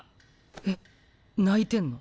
えっ泣いてんの？